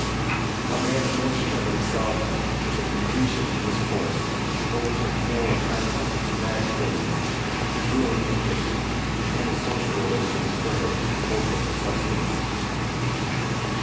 A man's notion of himself is a concretion in discourse for which his more constant somatic feelings, his ruling interests, and his social relations furnish most of the substance.